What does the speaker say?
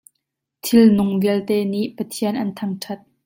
Thil nung vialte nih Pathian an thangṭhat.